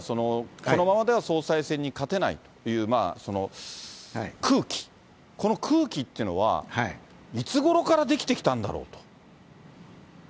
このままでは総裁選に勝てないっていう空気、この空気ってのは、いつごろから出来てきたんだろうと。